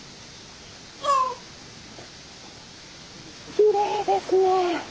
きれいですね。